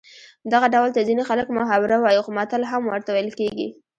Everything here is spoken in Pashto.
دغه ډول ته ځینې خلک محاوره وايي خو متل هم ورته ویل کېږي